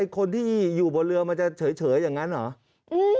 คนที่อยู่บนเรือมันจะเฉยอย่างนั้นเหรอ